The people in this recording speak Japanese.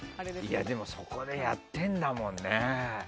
でも、そこでやってるんだもんね。